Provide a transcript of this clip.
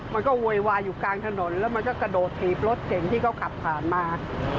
โวยวายอยู่กลางถนนแล้วมันก็กระโดดถีบรถเก่งที่เขาขับผ่านมา